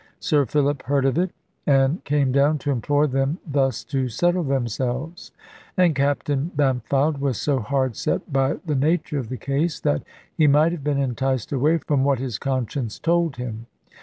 Sir Philip heard of it, and came down, to implore them thus to settle themselves. And Captain Bampfylde was so hard set by the nature of the case, that he might have been enticed away from what his conscience told him.